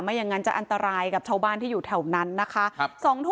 อย่างนั้นจะอันตรายกับชาวบ้านที่อยู่แถวนั้นนะคะ